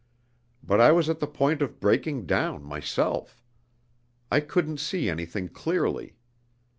But I was at the point of breaking down, myself. I couldn't see anything clearly.